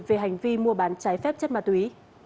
về hành vi mua bán trái phép chất ma túy